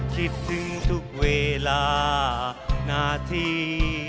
คิดถึงทุกเวลานาที